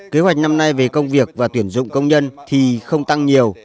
kế hoạch năm nay về công việc và tuyển dụng công nhân thì không tăng nhiều